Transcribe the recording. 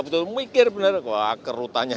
betul betul mikir bener wah kerutanya